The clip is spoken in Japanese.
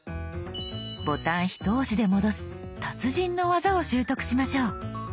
ボタンひと押しで戻す達人の技を習得しましょう。